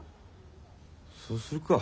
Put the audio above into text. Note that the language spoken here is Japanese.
そうするか。